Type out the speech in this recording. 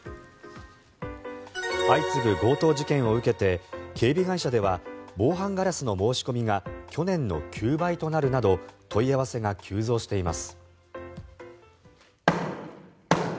相次ぐ強盗事件を受けて警備会社では防犯ガラスの申し込みが去年の９倍となるなど問い合わせが急増しています。